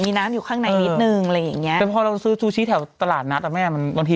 น้ำอยู่ข้างในนิดนึงแล้วแต่พอเราซื้อซูชิแถวตลาดนั้นอะแม่มันวันที